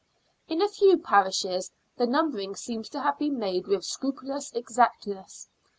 In a few parishes the numbering seems to have been made with scrupulous exactness.